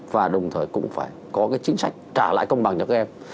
và đồng thời cũng phải có cái chính sách trả lại công bằng cho các em